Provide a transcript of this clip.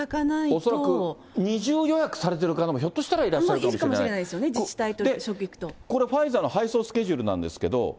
恐らく二重予約されている方もひょっとしたらいらっしゃるかいるかもしれないですよね、これ、ファイザーの配送スケジュールなんですけれども。